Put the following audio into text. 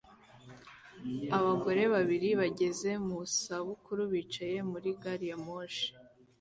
Abagore babiri bageze mu zabukuru bicaye muri gari ya moshi